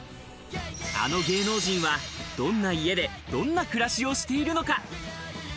あの芸能人はどんな家で、どんな暮らしをしているのか。